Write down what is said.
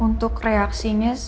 untuk reaksinya sih